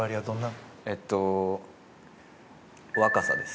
内村：えっと若さです。